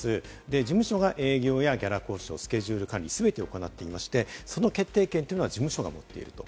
事務所が営業やギャラ交渉、スケジュール管理、全てを行っていまして、その決定権は事務所が持っていると。